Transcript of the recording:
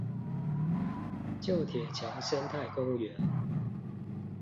舊鐵橋生態公園